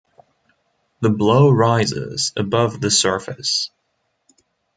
The blow rises above the surface.